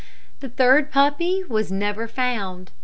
The third puppy was never found.